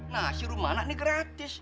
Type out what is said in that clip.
nah si rumana nih gratis